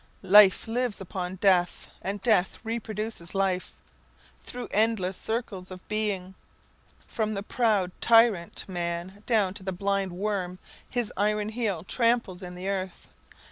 Life lives upon death, and death reproduces life, through endless circles of being, from the proud tyrant man down to the blind worm his iron heel tramples in the earth.